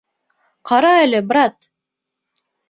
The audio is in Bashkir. Ҡара әле, брат!